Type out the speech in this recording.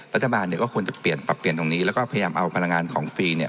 รัฐบาลเนี่ยก็ควรจะเปลี่ยนปรับเปลี่ยนตรงนี้แล้วก็พยายามเอาพลังงานของฟรีเนี่ย